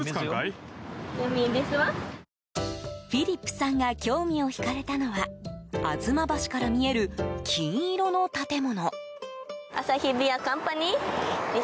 フィリップさんが興味を引かれたのは吾妻橋から見える金色の建物。